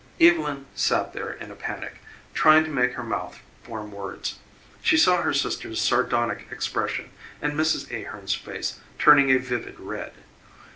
Evylyn sat there in a panic, trying to make her mouth form words. She saw her sister's sardonic expression and Mrs. Ahearn's face turning a vivid red.